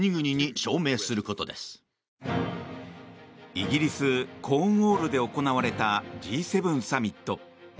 イギリス・コーンウォールで行われたＧ７サミット。